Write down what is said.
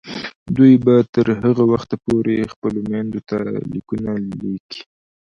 دوی به تر هغه وخته پورې خپلو میندو ته لیکونه لیکي.